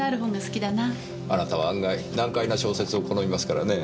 あなたは案外難解な小説を好みますからねぇ。